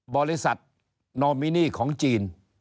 บริษัทนอมินีของจีน